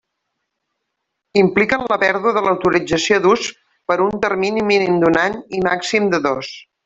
Impliquen la pèrdua de l'autorització d'ús per un termini mínim d'un any i màxim de dos.